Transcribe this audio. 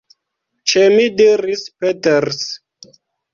Ĉe mi, diris Peters.